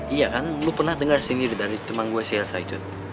iya kan lo pernah dengar sendiri dari teman gue si elsa itu